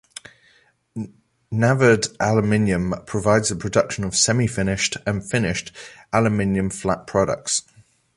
Navard Aluminum provides the production of semi-finished and finished aluminium flat products.